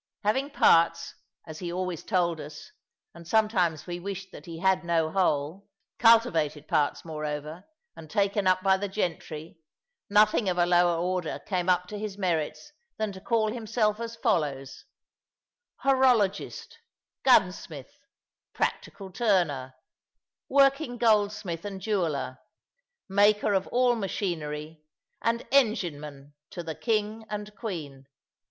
Having parts, as he always told us and sometimes we wished that he had no whole cultivated parts, moreover, and taken up by the gentry, nothing of a lower order came up to his merits than to call himself as follows: "Horologist, Gunsmith, Practical Turner, Working Goldsmith and Jeweller, Maker of all Machinery, and Engineman to the King and Queen."